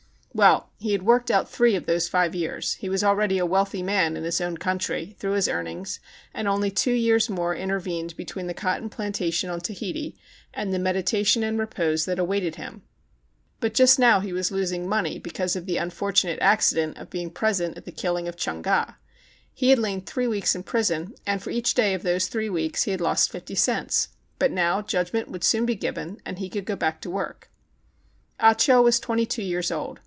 Well, he had worked out three of those five years. He was already a wealthy man (in his own country), through his earnings, and only two years more intervened between the cotton plantation on Tahiti and the meditation and re pose that awaited him. But just now he was i6o THE CHINAGO losing money because of the unfortunate acci dent of being present at the killing of Chung Ga. He had lain three weeks in prison, and for each day of those three weeks he had lost fifty cents. But now judgment would soon be given, and he would go back to work. Ah Cho was twenty two years old.